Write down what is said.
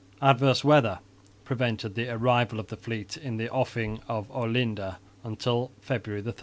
Adverse weather prevented the arrival of the fleet in the offing of Olinda until February 13.